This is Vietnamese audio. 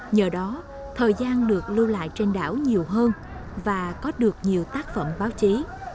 nhờ đó thời gian được lưu lại trên đảo nhiều hơn và có được nhiều tác phẩm báo chí